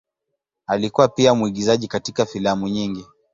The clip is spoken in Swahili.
Alikuwa pia mwigizaji katika filamu nyingi.